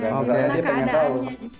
karena dia pengen tahu